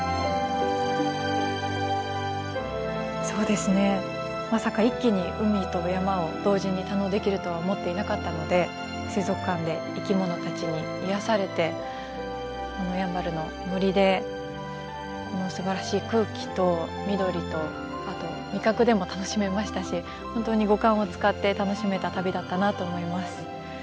そうですねまさか一気に海と山を同時に堪能できるとは思っていなかったので水族館で生き物たちに癒やされてこのやんばるの森でこのすばらしい空気と緑とあと味覚でも楽しめましたし本当に五感を使って楽しめた旅だったなと思います。